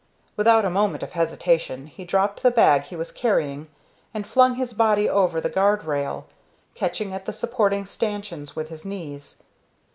Without a moment of hesitation he dropped the bag he was carrying and flung his body over the guard rail, catching at its supporting stanchions with his knees.